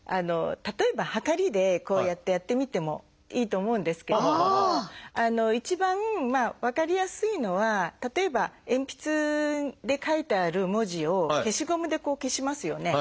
例えばはかりでこうやってやってみてもいいと思うんですけれども一番分かりやすいのは例えば鉛筆で書いてある文字を消しゴムで消しますよね。